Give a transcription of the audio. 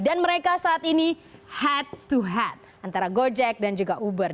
dan mereka saat ini head to head antara gojek dan juga uber